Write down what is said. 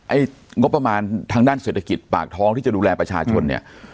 งบประมาณทางด้านเศรษฐกิจปากท้องที่จะดูแลประชาชนเนี่ย